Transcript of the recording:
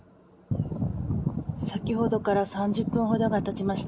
先ほどから３０分ほどが経ちました。